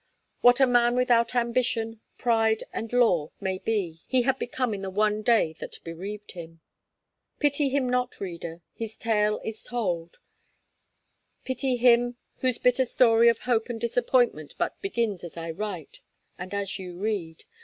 What a man without ambition, pride, and lore may be, he had become in the one day that bereaved him. Pity not him, reader; his tale is told; pity him whose bitter story of hope and disappointment but begins as I write, and as you read.